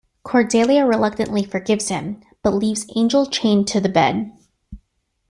Cordelia reluctantly forgives him, but leaves Angel chained to the bed.